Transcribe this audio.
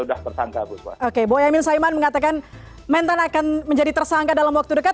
udah tersangka oke boya min saiman mengatakan mentan akan menjadi tersangka dalam waktu dekat